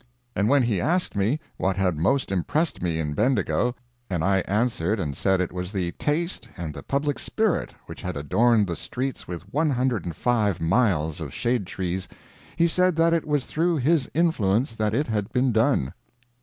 And when he asked me what had most impressed me in Bendigo and I answered and said it was the taste and the public spirit which had adorned the streets with 105 miles of shade trees, he said that it was through his influence that it had been done.